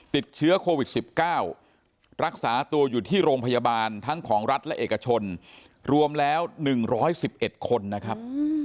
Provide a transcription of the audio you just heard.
ติดเชื้อโควิด๑๙รักษาตัวอยู่ที่โรงพยาบาลทั้งของรัฐและเอกชนรวมแล้ว๑๑๑คนนะครับ